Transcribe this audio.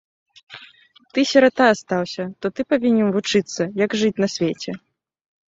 Ты сірата астаўся, то ты павінен вучыцца, як жыць на свеце.